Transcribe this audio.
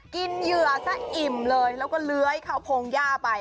กินเหยื่อซะอิ่มเลยแล้วก็เลื้อยข้าวโพงย่าไป